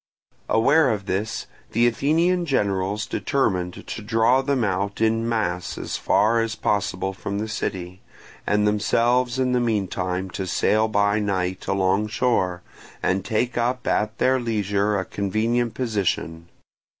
Aware of this, the Athenian generals determined to draw them out in mass as far as possible from the city, and themselves in the meantime to sail by night alongshore, and take up at their leisure a convenient position.